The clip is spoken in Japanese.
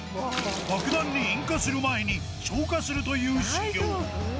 爆弾に引火する前に、消火するという修行。